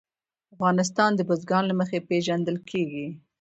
افغانستان د بزګان له مخې پېژندل کېږي.